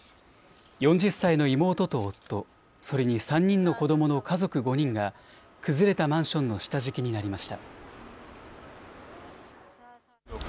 ４０歳の妹と夫、それに３人の子どもの家族５人が崩れたマンションの下敷きになりました。